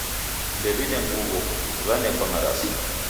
Ndew'ine nguw'o, w'anekwa marasi.